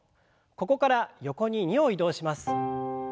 ここから横に２歩移動します。